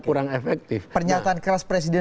kurang efektif pernyataan keras presiden